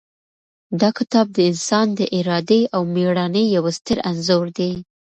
دا کتاب د انسان د ارادې او مېړانې یو ستر انځور دی.